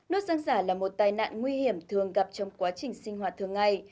nuốt răng giả là một tai nạn nguy hiểm thường gặp trong quá trình sinh hoạt thường ngày